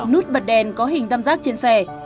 nút bật đèn có hình tam giác trên xe